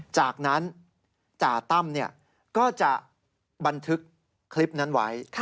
จากนั้นจ่าตั้มก็จะบันทึกคลิปนั้นไว้